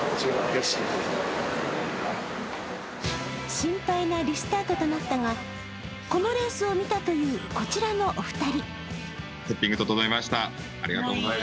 心配なリスタートとなったがこのレースを見たという、こちらのお二人。